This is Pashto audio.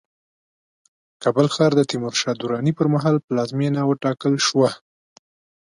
کابل ښار د تیمورشاه دراني پرمهال پلازمينه وټاکل شوه